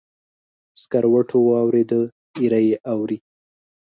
سکروټو واوریده، ایره یې اوري